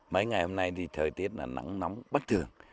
mấy ngày hôm nay thì thời tiết là nắng nóng bất thường